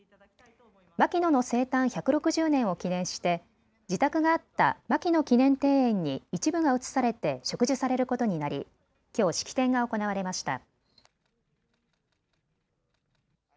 牧野の生誕１６０年を記念して自宅があった牧野記念庭園に一部が移されて植樹されることになりきょう式典が行われました。